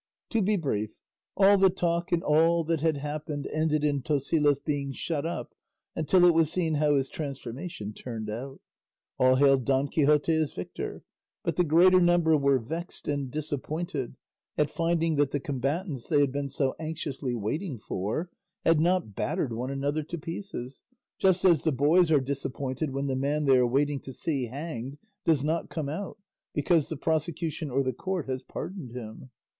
To be brief, all the talk and all that had happened ended in Tosilos being shut up until it was seen how his transformation turned out. All hailed Don Quixote as victor, but the greater number were vexed and disappointed at finding that the combatants they had been so anxiously waiting for had not battered one another to pieces, just as the boys are disappointed when the man they are waiting to see hanged does not come out, because the prosecution or the court has pardoned him.